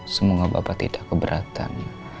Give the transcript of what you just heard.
semoga bapak tidak keberatan